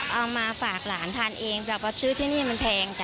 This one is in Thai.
เอามาฝากหลานทานเองแต่ว่าซื้อที่นี่มันแพงค่ะ